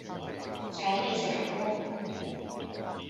請你食檸檬